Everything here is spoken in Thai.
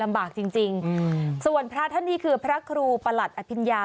บากจริงจริงส่วนพระท่านนี้คือพระครูประหลัดอภิญญา